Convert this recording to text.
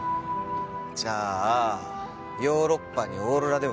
じゃあヨーロッパにオーロラでも見に行こう。